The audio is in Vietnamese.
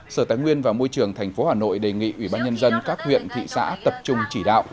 sở tài nguyên và môi trường tp hà nội đề nghị ubnd các huyện thị xã tập trung chỉ đạo